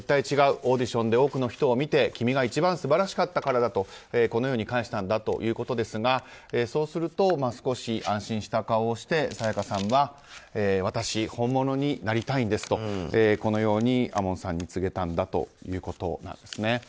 オーディションで多くの人を見て君が一番素晴らしかったからだと返したということですがそうすると少し安心した顔をして沙也加さんは私、本物になりたいんですとこのように亞門さんに告げたんだということです。